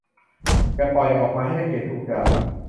อย่าปล่อยออกมาให้นักเขียนถูกด่า